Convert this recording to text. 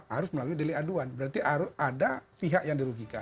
harus melalui delik aduan berarti harus ada pihak yang dirugikan